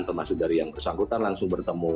termasuk dari yang bersangkutan langsung bertemu